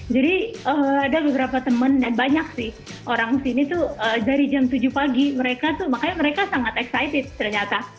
ada beberapa teman dan banyak sih orang sini tuh dari jam tujuh pagi mereka tuh makanya mereka sangat excited ternyata